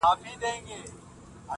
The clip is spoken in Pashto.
اپيجي چي سپيني نه وي توري هم غواړي.